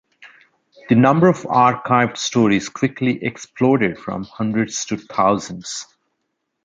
The number of archived stories quickly exploded from hundreds to thousands.